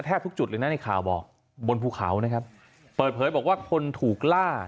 ทุกจุดเลยนะในข่าวบอกบนภูเขานะครับเปิดเผยบอกว่าคนถูกล่า